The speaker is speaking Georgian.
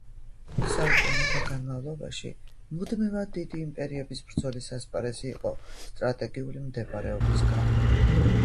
საუკუნეთა განმავლობაში მუდმივად დიდი იმპერიების ბრძოლის ასპარეზი იყო სტრატეგიული მდებარეობის გამო